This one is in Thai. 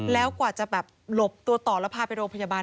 แล้วกว่าจะหลบตัวต่อไปโรงพยาบาล